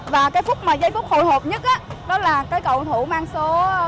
và cái phút mà giây phút hồi hộp nhất đó là cầu thủ mang số một mươi bảy